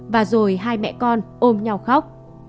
và rồi hai mẹ con ôm nhau khóc